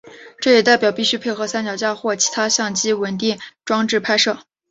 这也代表必须配合三脚架或其他相机稳定装置拍摄。